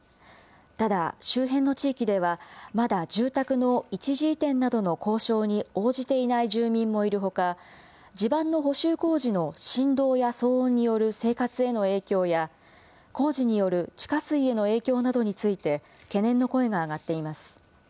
ただ、周辺の地域ではまだ住宅の一時移転などの交渉に応じていない住民もいるほか、地盤の補修工事の振動や騒音による生活への影響や、工事による地下水への影響などについて懸念の声が上がっています。